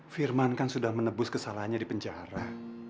firman kan sudah menebus kesalahannya di penjara